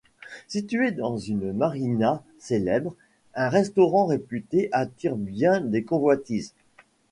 Situé dans une marina célèbre, un restaurant réputé attire bien des convoitises.